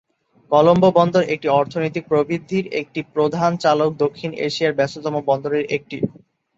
কলম্বো বন্দর একটি অর্থনৈতিক প্রবৃদ্ধির একটি প্রধান চালক দক্ষিণ এশিয়ার ব্যস্ততম বন্দরের একটি।